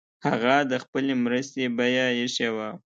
هغه د خپلي مرستي بیه ایښې وه.